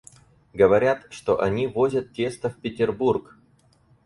Говорят, что они возят тесто в Петербург.